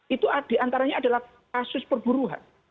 itu diantaranya adalah kasus perburuhan